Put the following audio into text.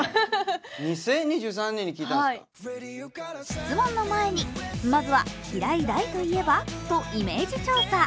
質問の前に、まずは平井大といえば？とイメージ調査。